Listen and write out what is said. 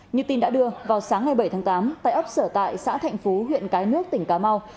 như tin đã đưa vào sáng ngày bảy tháng tám tại ấp sở tại xã thạnh phú huyện cái nước tỉnh cà mau